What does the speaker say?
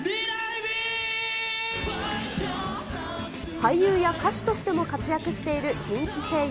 俳優や歌手としても活躍している人気声優、